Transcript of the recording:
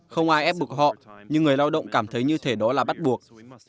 không ai ép bục họ nhưng người lao động cảm thấy như thế đó là bắt buộc